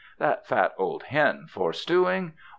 That fat old hen for stewing?